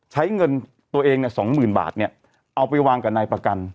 ใช้เงินตัวเองเนี่ย๒๐๐๐บาทเนี่ยเอาไปวางกับนายประกัน